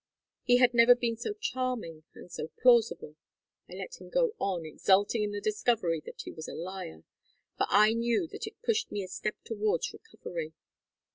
He had never been so charming and so plausible. I let him go on, exulting in the discovery that he was a liar, for I knew that it pushed me a step towards recovery.